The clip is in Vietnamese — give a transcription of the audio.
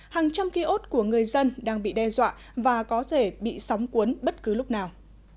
hàng trăm ký ốt của người dân đang bị đe dọa và có thể bị sóng cuốn bất cứ lúc nào